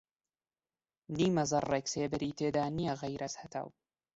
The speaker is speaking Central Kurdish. نیمە زەڕڕێک سێبەری تێدا نییە غەیرەز هەتاو